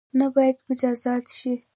ته بايد مجازات شی